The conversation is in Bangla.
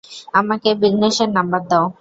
আমাকে বিঘ্নেশের নাম্বার দাও।